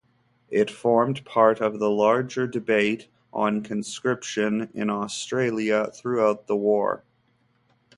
It formed part of the larger debate on conscription in Australia throughout the war.